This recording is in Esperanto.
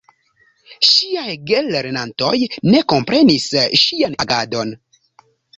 Ŝiaj gelernantoj ne komprenis ŝian agadon.